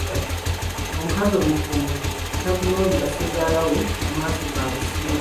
Omukazi omufumbo tatunuulira Ssezaala we na maaso ga busimba.